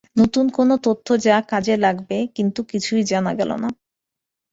নতুন কোনো তথ্য, যা কাজে লাগবে, কিন্তু কিছুই জানা গেল না।